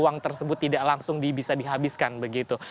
uang tersebut tidak langsung bisa dihabiskan begitu